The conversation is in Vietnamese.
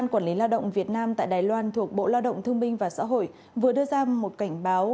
quản lý lao động việt nam tại đài loan thuộc bộ lao động thương minh và xã hội vừa đưa ra một cảnh báo